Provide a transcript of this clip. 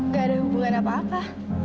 gak ada hubungan apa apa